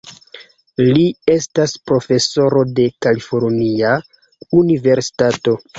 Li estas profesoro de Kalifornia Universitato.